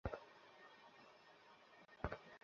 এতে ফলাফল ভালো পাওয়া গেলেও একবারের বেশি ব্যবহার করা যায় না।